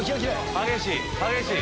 激しい！